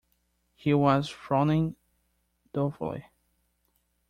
He was frowning thoughtfully.